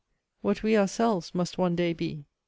what we ourselves must one day be!